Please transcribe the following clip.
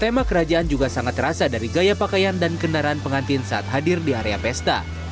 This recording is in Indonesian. tema kerajaan juga sangat terasa dari gaya pakaian dan kendaraan pengantin saat hadir di area pesta